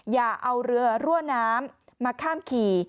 อย่าเอาเรือรั่วน้ำมาข้ามขี่